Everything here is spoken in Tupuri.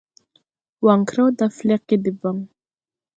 Waŋkrew da flɛgge debaŋ.